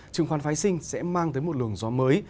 trường khoán phái sinh sẽ mang tới một lường gió mới